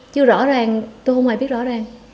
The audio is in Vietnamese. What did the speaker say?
chứ rõ ràng tôi không hề biết rõ ràng